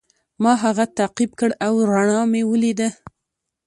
ما هغه تعقیب کړ او رڼا مې ولیده.